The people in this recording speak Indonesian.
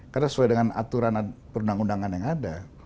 karena sesuai dengan aturan perundang undangan yang ada